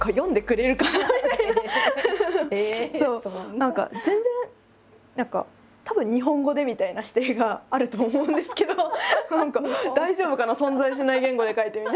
何か全然たぶん「日本語で」みたいな指定があると思うんですけど「大丈夫かな？存在しない言語で書いて」みたいな。